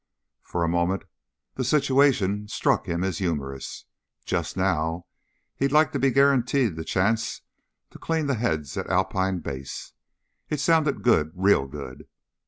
For a moment the situation struck him as humorous. Just now he'd like to be guaranteed the chance to clear the heads at Alpine Base. It sounded good real good.